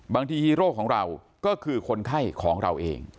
ฮีโร่ของเราก็คือคนไข้ของเราเอง